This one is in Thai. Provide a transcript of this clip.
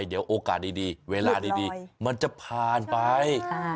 เดี๋ยวโอกาสดีเวลาดีมันจะผ่านไป